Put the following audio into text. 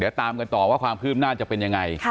เดี๋ยวตามกันต่อว่าความคืบหน้าจะเป็นยังไง